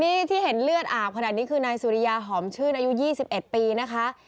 นี่ที่เห็นเลือดอาบขนาดนี้คือนายสุริยาหอมชื่นอายุ๒๑ปีนะคะ